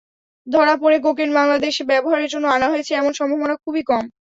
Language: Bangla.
ধরা পড়া কোকেন বাংলাদেশে ব্যবহারের জন্য আনা হয়েছে—এমন সম্ভাবনা খুবই কম।